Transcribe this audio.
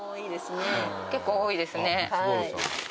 結構多いですね。